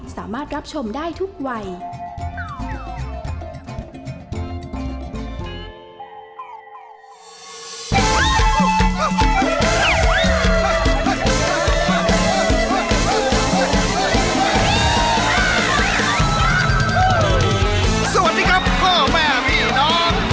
สวัสดีครับพ่อแม่ผีน้อง